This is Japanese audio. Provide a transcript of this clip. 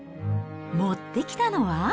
持ってきたのは。